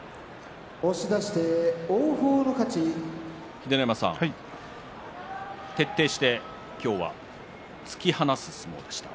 秀ノ山さん、徹底して今日は突き放す相撲でしたね